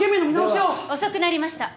遅くなりました。